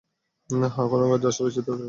হ্যাঁ, খননকার্য আসলেই চিত্তাকর্ষক।